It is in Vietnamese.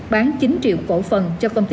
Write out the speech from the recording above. bán chín triệu cổ phần cho công ty